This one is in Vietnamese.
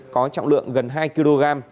có trọng lượng gần hai kg